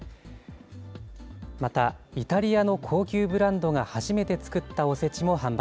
またイタリアの高級ブランドが初めて作ったおせちも販売。